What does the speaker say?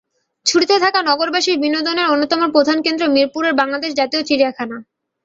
ছুটিতে থাকা নগরবাসীর বিনোদনের অন্যতম প্রধান কেন্দ্র মিরপুরের বাংলাদেশ জাতীয় চিড়িয়াখানা।